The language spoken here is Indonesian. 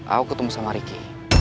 aku ketemu sama riki